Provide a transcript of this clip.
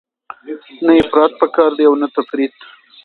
نه افراط پکار دی او نه تفریط.